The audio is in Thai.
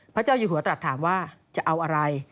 พระเจ้าอยู่หัวตรัสถามว่าจะเอาอะไร